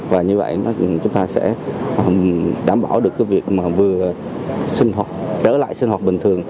và như vậy chúng ta sẽ đảm bảo được cái việc mà vừa trở lại sinh hoạt bình thường